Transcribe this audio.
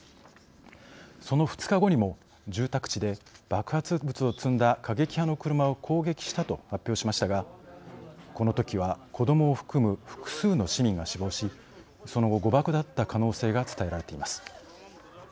その２日後にも住宅地で爆発物を積んだ過激派の車を攻撃したと発表しましたがこのときは子どもを含む複数の市民が死亡しその後、誤爆だった可能性が伝えられています。